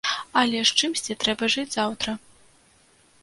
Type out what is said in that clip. Але ж чымсьці трэба жыць заўтра!